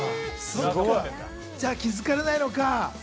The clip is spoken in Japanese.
じゃあ気づかれないのか。